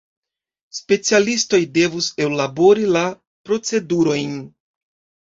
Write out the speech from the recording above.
Specialistoj devus ellabori la procedurojn.